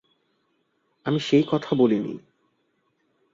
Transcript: আমি সেই কথা বলিনি।